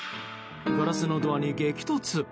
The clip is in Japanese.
ガラスのドアに激突。